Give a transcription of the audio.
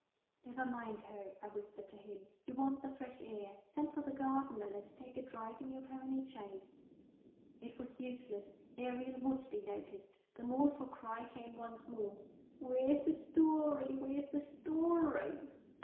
"Never mind her," I whispered to him. "You want the fresh air. Send for the gardener. Let us take a drive in your pony chaise." It was useless. Ariel would be noticed. The mournful cry came once more "Where's the story? where's the story?"